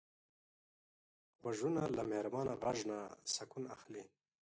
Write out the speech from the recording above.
غوږونه له مهربان غږ نه سکون اخلي